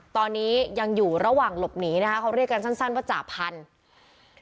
ตอนนี้ยังอยู่ระหว่างหลบหนีนะคะเขาเรียกกันสั้นว่าจ่าพันธุ์